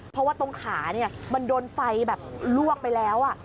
เพราะว่าตรงขามันโดนไฟแบบลวกไปแล้ว